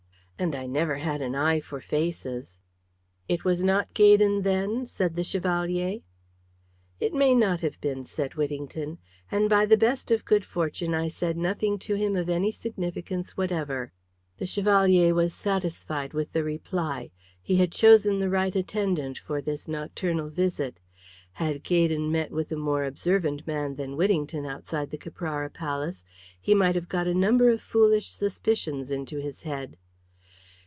"And I never had an eye for faces." "It was not Gaydon, then?" said the Chevalier. "It may not have been," said Whittington, "and by the best of good fortune I said nothing to him of any significance whatever." The Chevalier was satisfied with the reply. He had chosen the right attendant for this nocturnal visit. Had Gaydon met with a more observant man than Whittington outside the Caprara Palace, he might have got a number of foolish suspicions into his head.